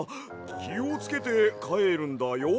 きをつけてかえるんだよ。